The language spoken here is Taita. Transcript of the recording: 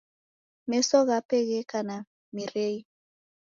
Meso ghape gheka na mirei.